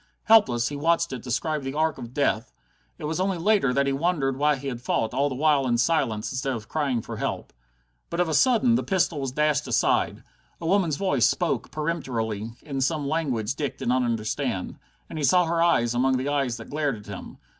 Helpless, he watched it describe that arc of death. It was only later that he wondered why he had fought all the while in silence, instead of crying for help. But of a sudden the pistol was dashed aside. A woman's voice spoke peremptorily, in some language Dick did not understand. And he saw her eyes among the eyes that glared at him.